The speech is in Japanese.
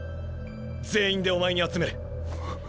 全員でお前に集める。